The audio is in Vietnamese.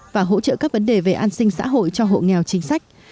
và hỗ trợ các vấn đề về an sinh xã hội cho hộ nghèo chính sách